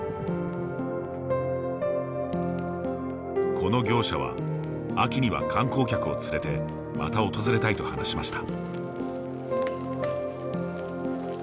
この業者は、秋には観光客を連れてまた訪れたいと話しました。